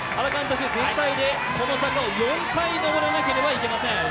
全体でこの坂を４回上らなければなりません。